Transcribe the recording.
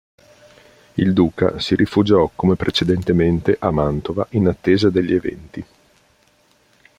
Il duca si rifugiò, come precedentemente, a Mantova, in attesa degli eventi.